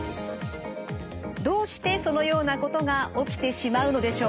どうしてそのようなことが起きてしまうのでしょうか？